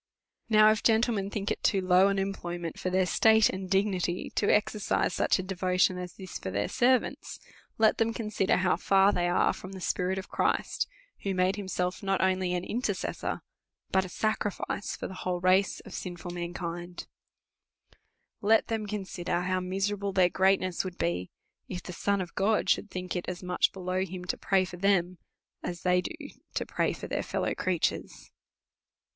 Now, if gentlemen think it so low an employment for their state and dignity to exercise such a devotion as this for their servants, let them consider how far they are from the spirit of Christ, who made himself not only an intercessor, but a sacrifice for the whole race of sinful mankind. DEVOUT AND HOLY LIFE. 301 Let them consider how miserable tlieir g reatness would be, if the Son of God should think it as much below him to pray for them, as tliey do to pray for their fellow creatures.